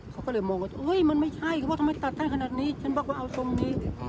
เขาก็เลยมองว่ามันไม่ใช่ทำไมตัดขนาดนี้ฉันบอกว่าเอาตรงนี้